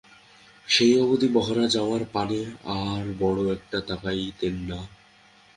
সেই অবধি মহারাজ আমার পানে আর বড়ো একটা তাকাইতেন না।